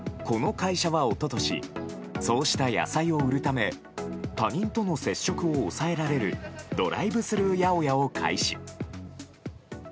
この会社は一昨年そうした野菜を売るため他人との接触を抑えられるドライブスルー八百屋を開始。